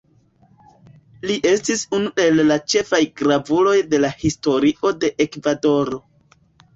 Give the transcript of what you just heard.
Li estis unu el ĉefaj gravuloj de la Historio de Ekvadoro.